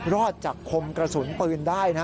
รอดจากคมกระสุนปืนได้นะ